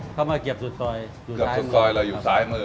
เข้ามาเก็บสุดคอยอยู่ซ้ายมือ